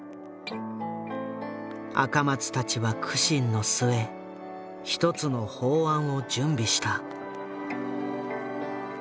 赤松たちは苦心の末一つの法案を準備した。